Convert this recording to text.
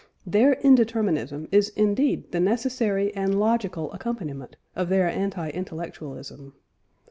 Their indeterminism is indeed the necessary and logical accompaniment of their anti intellectualism.